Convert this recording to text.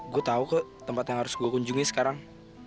gue tau ke tempat yang harus gue kunjungi sekarang